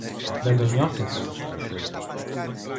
Δεν το νιώθεις;